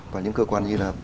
và những cơ quan như là